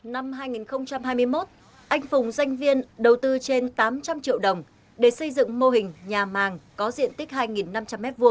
năm hai nghìn hai mươi một anh phùng doanh viên đầu tư trên tám trăm linh triệu đồng để xây dựng mô hình nhà màng có diện tích hai năm trăm linh m hai